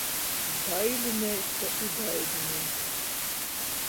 Dailineica i dailinīks.